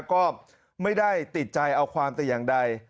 ก็ไม่ได้ติดใจเอาความแต่อย่างใด